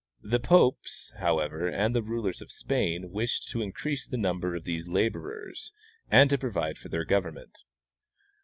The popes, however, and the rulers of Spain iwishecl to increase the number of these laborers and to provide for their government.